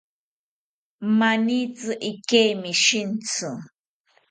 Manitzi ikeimi shintzi